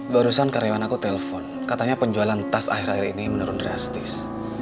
barusan karyawan aku telpon katanya penjualan tas akhir akhir ini menurun drastis